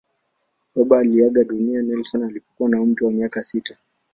Baba aliaga dunia Nelson alipokuwa na umri wa miaka tisa.